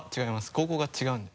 高校が違うんで。